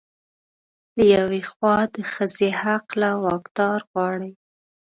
له يوې خوا د ښځې حق له واکدار غواړي